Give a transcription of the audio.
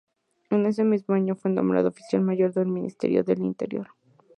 En ese mismo año fue nombrado oficial mayor del Ministerio del Interior.